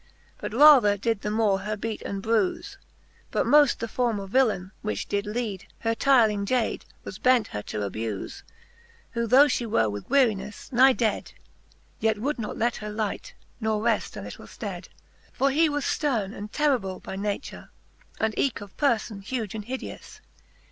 And rather did the more her beate and brufe. But moft the former villaine, which did lead Her tyreling jade, was bent her to abufe ; Who though fhe were with wearineffe nigh dead, Yet would not let her lite, not reft a little ftead. XLI. For he was fterne, and terrible by nature, And eeke of perfon huge and hideous.